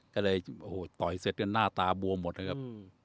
ก็เลยต่อยเสร็จกันหน้าตาบัวหมดนะครับ